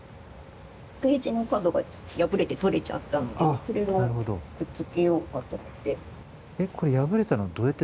ページの角が破れて取れちゃったのでこれをくっつけようかと思って。